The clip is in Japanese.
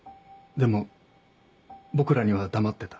でも僕らには黙ってた。